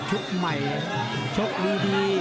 ชุกใหม่ชุกดี